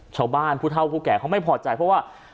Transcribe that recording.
ชาวบ้านผู้เท่าผู้แก่เขาไม่พอใจเพราะว่า